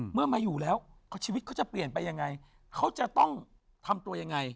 มาอยู่แล้วชีวิตเขาจะเปลี่ยนไปยังไงเขาจะต้องทำตัวยังไง